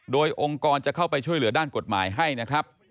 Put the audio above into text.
โดยองค์กรจะเข้าไปช่วยเหลือด้านกฎหมายให้นะครับ